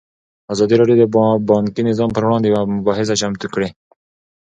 ازادي راډیو د بانکي نظام پر وړاندې یوه مباحثه چمتو کړې.